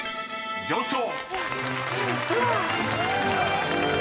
上昇］